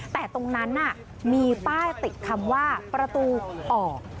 แต่ตรงนั้นมีป้ายติดคำว่าประตูออก